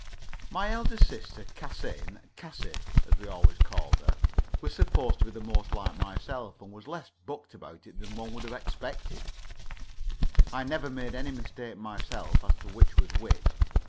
My elder sister, Casein Casey, as we always called her was supposed to be the most like myself, and was less bucked about it than one would have expected. I never made any mistake myself as to which was which.